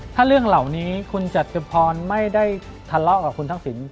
ถ้าเรื่องเหล่านี้คุณจตุพรไม่ได้ทะเลาะกับคุณทักษิณ